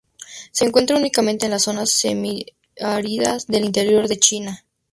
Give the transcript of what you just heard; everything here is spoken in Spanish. Se encuentra únicamente en las zonas semiáridas del interior de China.